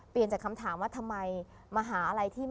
เปลี่ยนจากคำถามว่าทำไมมาหาอะไรที่